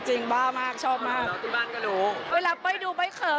จริงบ้ามากชอบมาก